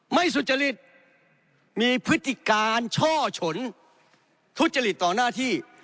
สุจริตมีพฤติการช่อฉนทุจริตต่อหน้าที่